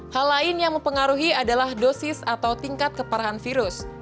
hal lain yang mempengaruhi adalah dosis atau tingkat keparahan virus